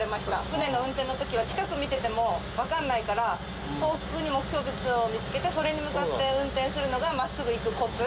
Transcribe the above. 船の運転の時は近く見ててもわかんないから遠くに目標物を見つけてそれに向かって運転するのが真っすぐ行くコツ。